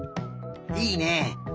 いいね。